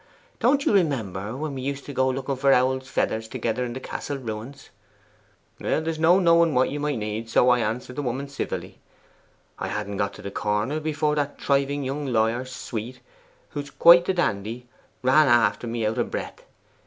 Don't you remember when we used to go looking for owls' feathers together in the Castle ruins?" There's no knowing what you may need, so I answered the woman civilly. I hadn't got to the corner before that thriving young lawyer, Sweet, who's quite the dandy, ran after me out of breath.